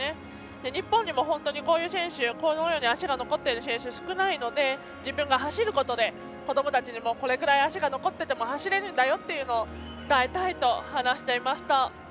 日本にもこういう選手足が残っている選手は少ないので自分が走ることで子どもたちにもこのくらい足が残ってても走れるんだよというのを伝えたいと離していました。